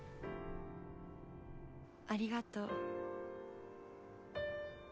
ありがと。